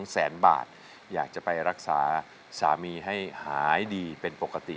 แสนบาทอยากจะไปรักษาสามีให้หายดีเป็นปกติ